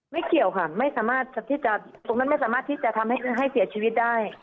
เกี่ยวค่ะไม่สามารถที่จะตรงนั้นไม่สามารถที่จะทำให้เสียชีวิตได้